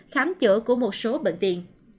khám chữa của một số bệnh viện